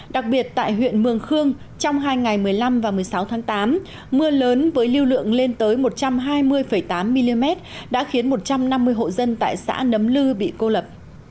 đặc biệt tại huyện mường khương trong hai ngày một mươi năm và một mươi sáu tháng tám mưa lớn với lưu lượng lên tới một trăm hai mươi tám mm đã khiến một trăm năm mươi hộ dân tại xã nấm lư bị cô lập